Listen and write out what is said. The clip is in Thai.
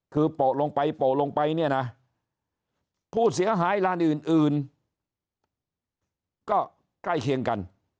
คือโปะลงไปโปะลงไปเนี่ยนะผู้เสียหายร้านอื่นก็ใกล้เคียงกัน